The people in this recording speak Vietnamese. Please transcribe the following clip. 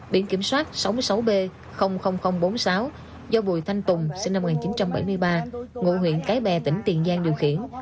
biển kiểm soát sáu mươi sáu b bốn mươi sáu do bùi thanh tùng sinh năm một nghìn chín trăm bảy mươi ba ngụ huyện cái bè tỉnh tiền giang điều khiển